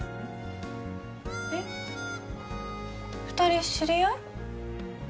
えっ二人知り合い？